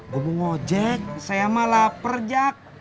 gue mau ngejek saya mah lapar jak